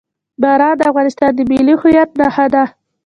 باران د افغانستان د ملي هویت نښه ده.